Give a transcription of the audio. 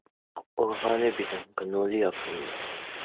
ყორღანებიდან გნოლი აფრინდა.